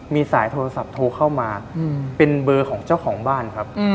มีสายโทรศัพท์โทรเข้ามาเป็นเบอร์ของเจ้าของบ้านครับ